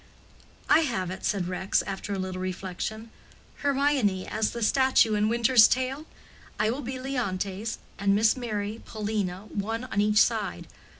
"I have it," said Rex, after a little reflection. "Hermione as the statue in Winter's Tale? I will be Leontes, and Miss Merry, Paulina, one on each side.